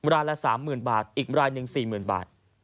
รายละ๓๐๐๐บาทอีกรายหนึ่ง๔๐๐๐บาท